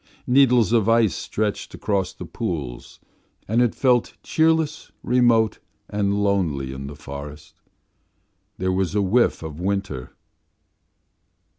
Needles of ice stretched across the pools, and it felt cheerless, remote, and lonely in the forest. There was a whiff of winter.